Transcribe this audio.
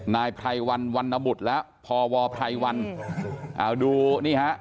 นายไพรวันวันนบุตรแล้วพวไพรวันเอาดูนี่ฮะ